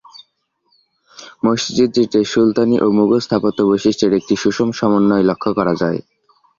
মসজিদটিতে সুলতানি ও মুগল স্থাপত্য বৈশিষ্ট্যের একটি সুষম সমন্বয় লক্ষ্য করা যায়।